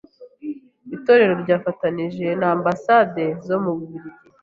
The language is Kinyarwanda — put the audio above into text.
Itorero ryafatanije na Ambasade zo mu Bubiligi